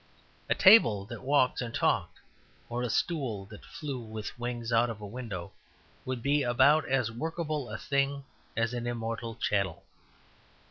A table that walked and talked, or a stool that flew with wings out of window, would be about as workable a thing as an immortal chattel.